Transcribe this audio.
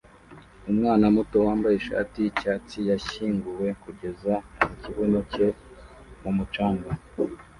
Umwana muto wambaye ishati yicyatsi yashyinguwe kugeza mu kibuno cye mu mucanga